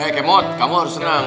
eh kemot kamu harus senang